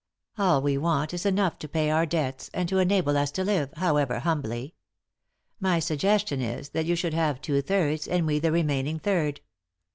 All we want is enough to pay our debts, and to enable as to live, however humbly. My sugges tion is that you should have two thirds and we the rem ainin g third."